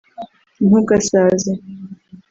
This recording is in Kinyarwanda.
Ntugasaze